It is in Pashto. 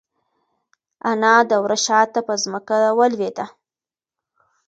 انا د وره شاته په ځمکه ولوېده.